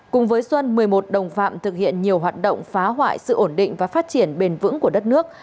cùng với xuân một mươi một đồng phạm thực hiện nhiều hoạt động phá hoại sự ổn định và phát triển bền vững của đất nước